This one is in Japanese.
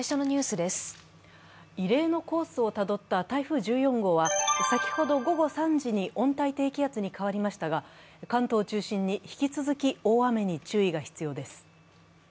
異例のコースをたどった台風１４号は先ほど午後３時に温帯低気圧に変わりましたが、関東を中心に引き続き大雨に注意が必要です。